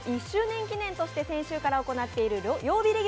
１周年記念として先週が行っている曜日